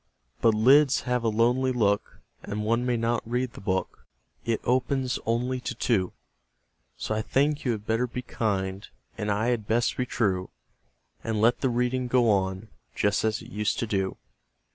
But lids have a lonely look, And one may not read the book It opens only to two; So I think you had better be kind, And I had best be true, And let the reading go on, Just as it used to do.